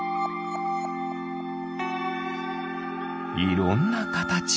いろんなかたち。